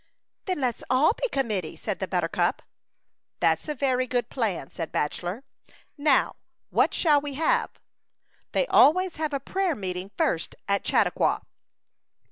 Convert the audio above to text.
"Then let's all be committee," said the buttercup. A Chautauqua Idyl. 35 " That's a very good plan/' said Bachelor. '* Now, what shall we have? They always have a prayer meeting first at Chautauqua."